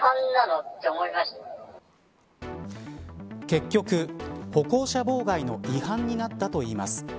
結局、歩行者妨害の違反になったといいます。